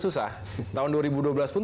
susah tahun dua ribu dua belas pun